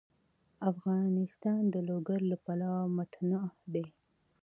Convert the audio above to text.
افغانستان د لوگر له پلوه متنوع دی.